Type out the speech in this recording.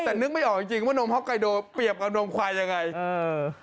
แต่นึกไม่ออกจริงจริงว่านมฮ็กไนโดเปรียบกับนมควายยังไงเออ